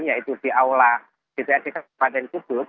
yaitu di aula dprd kabupaten kudus